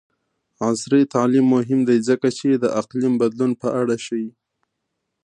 عصري تعلیم مهم دی ځکه چې د اقلیم بدلون په اړه ښيي.